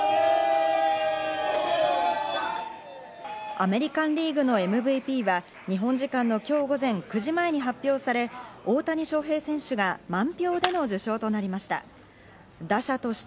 アメリカン・リーグのＭＶＰは日本時間の今日午前９時前に発表され、大谷翔平選手が満票での受賞となりました。